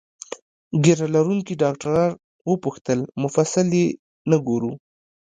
ږیره لرونکي ډاکټر وپوښتل: مفصل یې نه ګورو؟